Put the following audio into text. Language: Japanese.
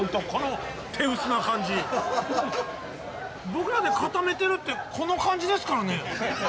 「僕らで固めてる」ってこの感じですからね。